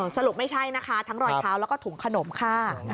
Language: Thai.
สรุปไม่ใช่นะคะทั้งรอยเท้าแล้วก็ถุงขนมค่ะ